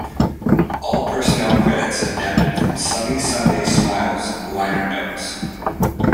All personnel credits adapted from "Sunny Sundae Smile"s liner notes.